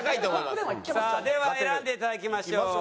さあでは選んでいただきましょう。